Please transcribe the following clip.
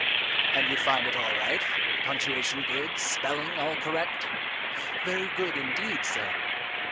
"And you find it all right punctuation good, spelling all correct?" "Very good indeed, sir."